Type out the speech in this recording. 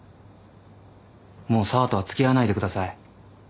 もう紗和とは付き合わないでください。